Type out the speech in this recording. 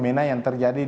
seperti yang terjadi di